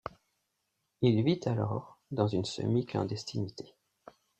Il vit alors dans une semi-clandestinité.